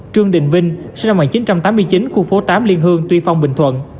trương đình vinh sinh năm một nghìn chín trăm tám mươi chín khu phố tám liên hương tuy phong bình thuận